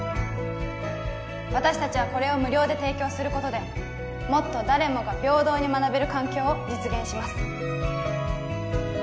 私達はこれを無料で提供することでもっと誰もが平等に学べる環境を実現します